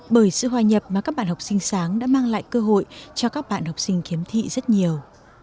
bởi sự hòa nhập mà các bạn học sinh sáng đã mang lại cơ hội cho các bạn học sinh khiếm thị rất nhiều